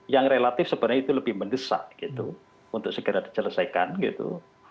yang relatif sebenarnya itu lebih mendesak gitu untuk segera diselesaikan gitu